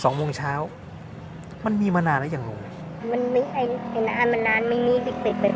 สองโมงเช้ามันมีมานานแล้วอย่างหนูมันมีมันนานไม่มีปิดปิดปิด